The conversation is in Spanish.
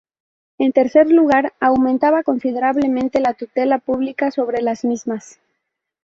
En tercer lugar, aumentaba considerablemente la tutela pública sobre las mismas.